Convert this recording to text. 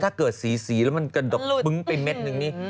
สีสีแล้วมันกระดกปึ้งไปเม็ดนึงนี่